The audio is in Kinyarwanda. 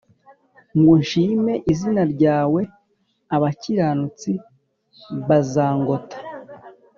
ngo nshime izina ryawe Abakiranutsi bazangota